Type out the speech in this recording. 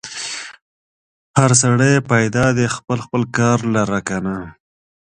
هر سړی پیدا دی خپل خپل کار لره کنه.